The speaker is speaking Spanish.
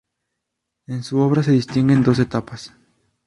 En su obra se distinguen dos etapas.